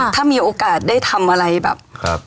ถ้ามีโอกาสได้ทำอะไรแบบ